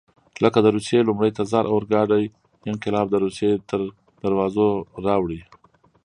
لکه د روسیې لومړي تزار اورګاډی انقلاب د روسیې تر دروازو راوړي.